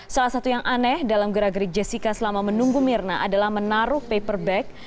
salah satu yang aneh dalam gerak gerik jessica selama menunggu mirna adalah menaruh paper bag